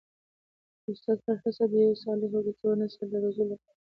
د استاد هره هڅه د یو صالح او ګټور نسل د روزلو لپاره وي.